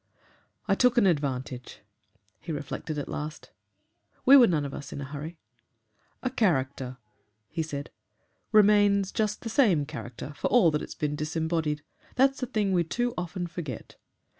"I took an advantage," he reflected at last. We were none of us in a hurry. "A character," he said, "remains just the same character for all that it's been disembodied. That's a thing we too often forget.